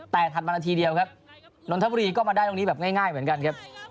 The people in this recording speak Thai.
แต่ถัดมานาทีเดียวครับนนทบุรีก็มาได้ตรงนี้แบบง่ายเหมือนกันครับ